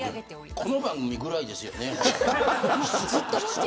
この番組ぐらいですよね。